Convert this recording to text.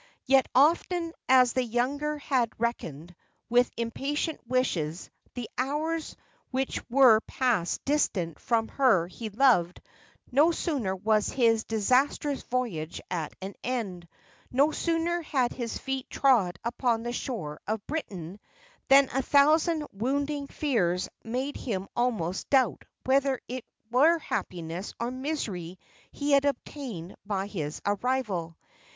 Yet, often as the younger had reckoned, with impatient wishes, the hours which were passed distant from her he loved, no sooner was his disastrous voyage at an end, no sooner had his feet trod upon the shore of Britain, than a thousand wounding fears made him almost doubt whether it were happiness or misery he had obtained by his arrival.